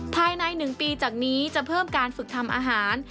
ภายใน๑ปีจากนี้จะเพิ่มการฝึกทำอาหาร